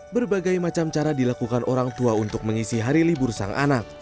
berbagai macam cara dilakukan orang tua untuk mengisi hari libur sang anak